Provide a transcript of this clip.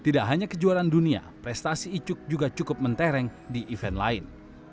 tidak hanya kejuaraan dunia prestasi icuk juga cukup mentereng di event lain